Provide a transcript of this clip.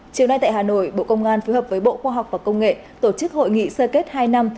chiều nay tại hà nội bộ công an phối hợp với bộ khoa học và công nghệ tổ chức hội nghị sơ kết hai năm